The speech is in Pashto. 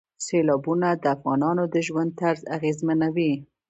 سیلابونه د افغانانو د ژوند طرز اغېزمنوي.